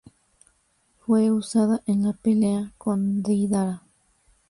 Fue usada en la pelea con Deidara.